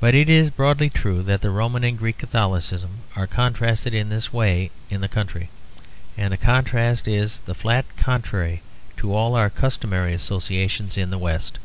But it is broadly true that Roman and Greek Catholicism are contrasted in this way in this country; and the contrast is the flat contrary to all our customary associations in the West.